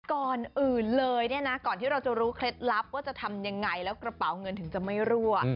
ก่อนอื่นเลยเนี่ยนะก่อนที่เราจะรู้เคล็ดลับว่าจะทำยังไงแล้วกระเป๋าเงินถึงจะไม่รั่ว